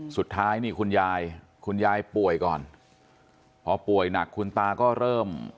สุดท้ายนี่คุณยายคุณยายป่วยก่อนพอป่วยหนักคุณตาก็เริ่ม